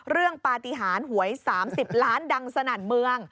เรื่องปาฏิหารหวย๓๐ล้านดังสนัดเมือง